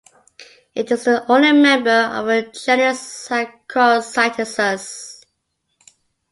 It is the only member of the genus Argyrocytisus.